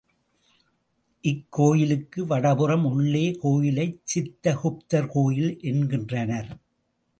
இக்கோயிலுக்கு வடபுறம் உள்ள கோயிலை சித்த குப்தர் கோயில் என்கின்றனர்.